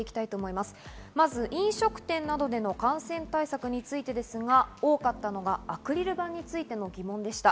まず、飲食店などでの感染対策についてですが、多かったのがアクリル板についての疑問です。